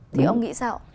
thì ông nghĩ sao